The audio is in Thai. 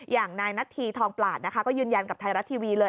อย่างนายนัทธีทองปลานะคะก็ยืนยันกับไทยรัฐทีวีเลย